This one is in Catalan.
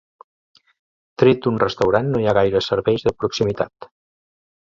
Tret d'un restaurant, no hi ha gaires serveis de proximitat.